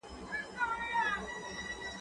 چي په اهاړ کي مي سوځلي وي د پلونو نښي !.